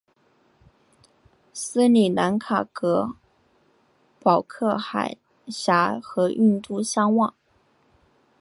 斯里兰卡隔保克海峡和印度相望。